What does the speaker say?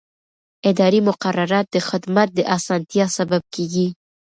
اداري مقررات د خدمت د اسانتیا سبب کېږي.